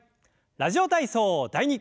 「ラジオ体操第２」。